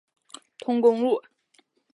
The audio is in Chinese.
通公路。